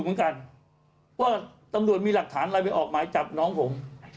เหมือนกันว่าตำรวจมีหลักฐานอะไรไปออกหมายจับน้องผม